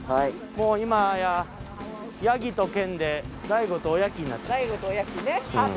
もう今やヤギと健で大悟とおやきになっちゃった。